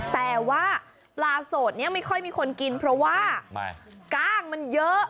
แต่ว่าปลาโสดนี้ไม่ค่อยมีคนกินเพราะว่ากล้างมันเยอะ